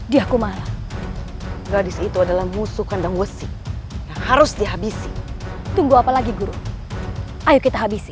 diakumala gadis itu adalah musuh kandang wc harus dihabisi tunggu apalagi guru ayo kita habisi